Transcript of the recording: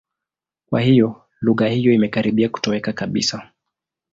Kwa hiyo lugha hiyo imekaribia kutoweka kabisa.